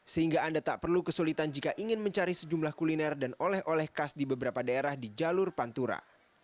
sehingga anda tak perlu kesulitan jika ingin mencari sejumlah kuliner dan oleh oleh khas di beberapa daerah di jalur pantura